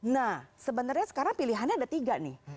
nah sebenarnya sekarang pilihannya ada tiga nih